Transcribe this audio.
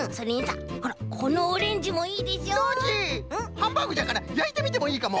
ハンバーグじゃからやいてみてもいいかも。